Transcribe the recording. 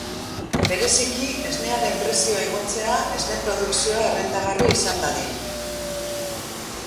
Bereziki esnearen prezioa igotzea, esne produkzioa errentagarri izan dadin.